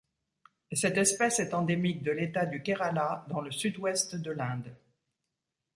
Cette espèce est endémique de l'État du Kerala dans le sud-ouest de l'Inde.